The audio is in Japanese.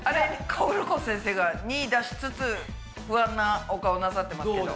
かおるこ先生が②出しつつ不安なお顔なさってますけど。